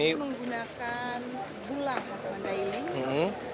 dia juga menggunakan gula khas mandailing